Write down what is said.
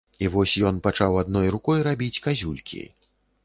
І вось ён пачаў адной рукой рабіць казюлькі.